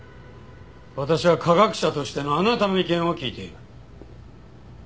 私は科学者としてのあなたの意見を聞いている。